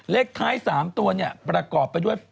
เลขท้าย๓ตัวเนี่ยประกอบไปด้วย